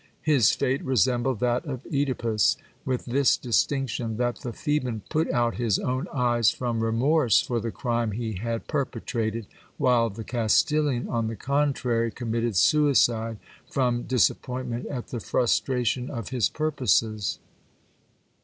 His fate resembled that of CEdipus, with this distinction ; that the Theban put out his own eyes from remorse for the crime he had per petrated, while the Castilian, on the contrary, committed suicide from disap pointment at the frustration of his purposes.